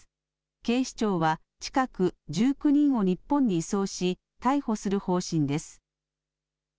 警視庁は近く１９人を日本に移送し逮捕する方針です。